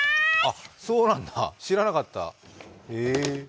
あ、そうなんだ、知らなかった、へえ。